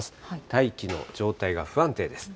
大気の状態が不安定です。